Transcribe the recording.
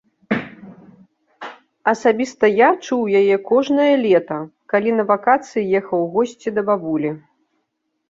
Асабіста я чуў яе кожнае лета, калі на вакацыі ехаў у госці да бабулі.